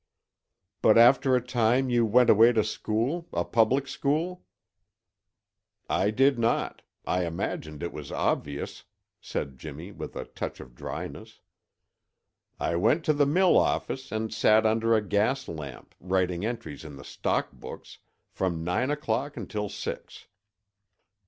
"But after a time you went away to school a public school?" "I did not. I imagined it was obvious," said Jimmy with a touch of dryness. "I went to the mill office and sat under a gas lamp, writing entries in the stock books, from nine o'clock until six.